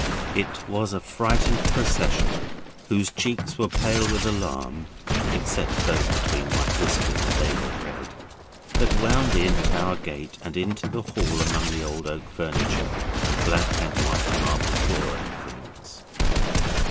It was a frightened procession, whose cheeks were pale with alarm except those between white whiskers, and they were red that wound in at our gate and into the hall among the old oak furniture, and black and white marble floor and things.